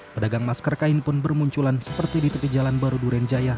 pedagang masker kain pun bermunculan seperti di tepi jalan baru durenjaya